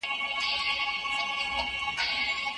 پيرې! مريد دې يمه پيرې ستا پيري کومه